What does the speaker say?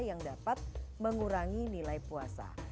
yang dapat mengurangi nilai puasa